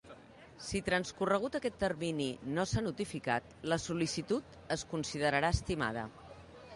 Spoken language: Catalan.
Si transcorregut aquest termini no s'ha notificat, la sol·licitud es considerarà estimada.